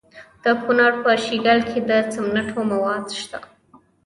د کونړ په شیګل کې د سمنټو مواد شته.